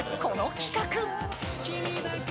この企画。